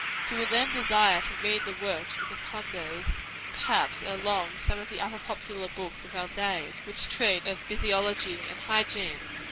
She will then desire to read the works of the Combes, and perhaps, ere long, some of the other popular books of our day, which treat of Physiology and Hygiene.